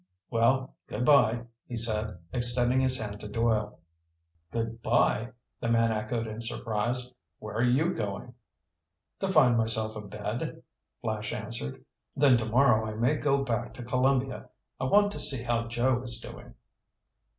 "Well, good bye," he said, extending his hand to Doyle. "Good bye?" the man echoed in surprise. "Where are you going?" "To find myself a bed," Flash answered. "Then tomorrow I may go back to Columbia. I want to see how Joe is doing."